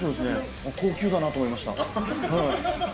高級だなと思いました。